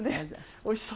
おいしそう。